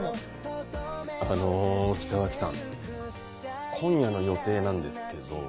あの北脇さん今夜の予定なんですけど。